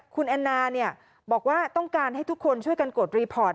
คุณแอนนาบอกว่าต้องการให้ทุกคนช่วยกันกดรีพอร์ต